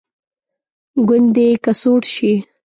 ګوندې که سوړ شي.